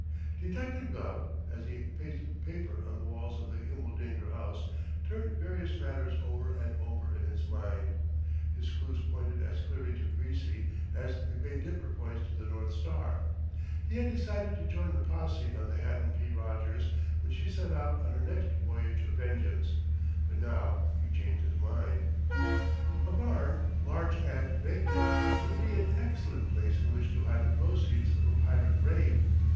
Detective Gubb, as he pasted paper on the walls of the Himmeldinger house, turned various matters over and over in his mind. His clues pointed as clearly to Greasy as the Great Dipper points to the North Star. He had decided to join the posse on the Haddon P. Rogers when she set out on her next voyage of vengeance, but now he changed his mind. A barn, large and vacant, would be an excellent place in which to hide the proceeds of a pirate raid.